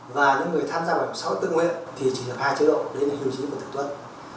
và những người tham gia bảo hiểm xã hội tự nguyện thì chỉ được hai chế độ đấy là hiệu chí và tử tuất